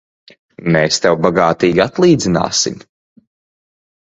Mēs tev bagātīgi atlīdzināsim!